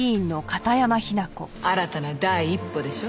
新たな第一歩でしょ？